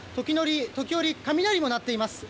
時折、雷も鳴っています。